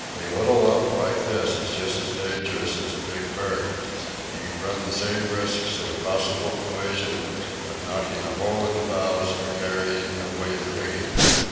A little lump like this is just as dangerous as a big berg; you run the same risks in a possible collision of knocking a hole in the bows or carrying away the rigging.